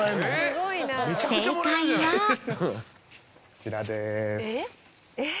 こちらです。